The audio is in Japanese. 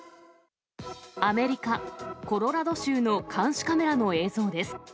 アメリカ・コロラド州の監視カメラの映像です。